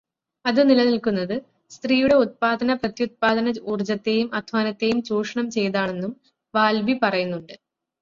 അത് നിലനിൽക്കുന്നത് സ്ത്രീയുടെ ഉത്പാദന-പ്രത്യുത്പാദന ഊർജത്തെയും അധ്വാനത്തെയും ചൂഷണം ചെയ്താണെന്നും വാൽബി പറയുന്നുണ്ട്.